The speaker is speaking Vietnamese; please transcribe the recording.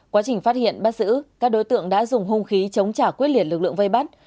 quá trình phát hiện bắt giữ các đối tượng đã dùng hung khí chống trả quyết liệt lực lượng vây bắt